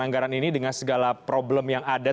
anggaran ini dengan segala problem yang ada